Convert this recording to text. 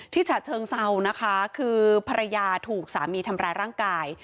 ฉะเชิงเซานะคะคือภรรยาถูกสามีทำร้ายร่างกาย